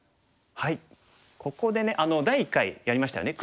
ここでね第１回やりましたよね